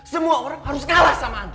semua orang harus kalah sama anda